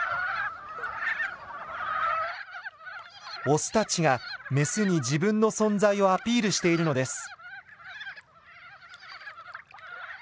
オスたちがメスに自分の存在をアピールしているのです。